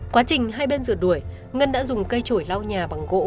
quá trình hai bên rượt đuổi ngân đã dùng cây trổi lau nhà bằng gỗ